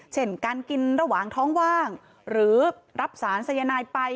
เช่นการกินระหว่างท้องว่างหรือรับสารสายนายไป